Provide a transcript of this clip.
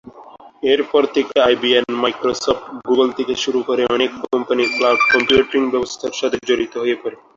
এর পর থেকে আইবিএম, মাইক্রোসফট, গুগল থেকে শুরু করে অনেক কোম্পানি ক্লাউড কম্পিউটিং ব্যবসার সাথে জড়িত হয়ে পড়ে।